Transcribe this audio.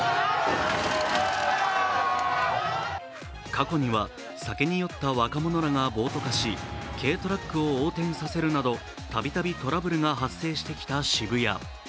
過去には酒に酔った若者らが暴徒化し軽トラックを横転させるなど度々トラブルが発生してきた渋谷。